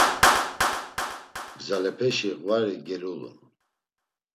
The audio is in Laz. Gzalepeşe ğvari gelulun.